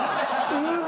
うわ。